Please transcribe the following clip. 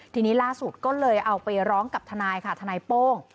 ทีนี้ล่าสุดก็เลยเอาไปร้องกับทนายค่ะทนายโป้ง